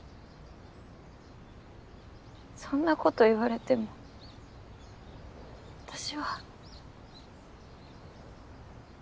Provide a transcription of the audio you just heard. そんなこと言われても私は。